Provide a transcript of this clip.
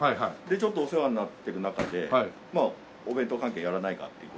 ちょっとお世話になってる中でお弁当関係やらないかっていう事で。